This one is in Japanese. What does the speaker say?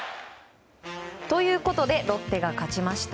ということでロッテが勝ちました。